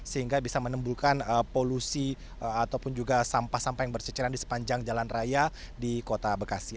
sehingga bisa menimbulkan polusi ataupun juga sampah sampah yang berceceran di sepanjang jalan raya di kota bekasi